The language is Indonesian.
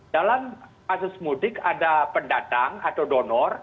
dalam kasus mudik ada pendatang atau donor